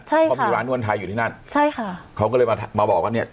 ใช่ค่ะเขามีร้านนวลไทยอยู่ที่นั่นใช่ค่ะเขาก็เลยมามาบอกว่าเนี้ย